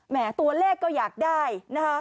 ตัวเลขก็อยากได้นะคะ